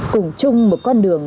cùng chung một con đường